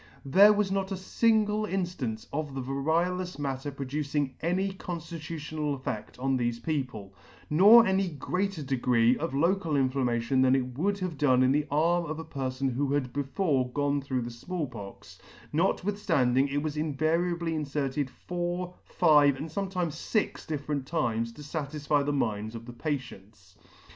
There was not a fingle inftance of the variolous matter producing any conftitutional effed on thefe people, nor any greater degree of local inflammation than it would have done in the arm of a perfon who had before gone through the Small Pox, notwithftanding it was invariably inferted four, five, and fometimes fix different times, to fatisfy the minds of the patients.